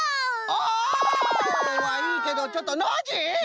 オ！はいいけどちょっとノージー！